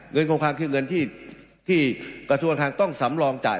เงินคงคลังคือเงินที่กระทั่วการคลังต้องสำรองจ่าย